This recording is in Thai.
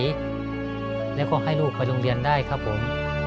แล้วก็ให้ลูกไปโรงเรียนได้ครับผม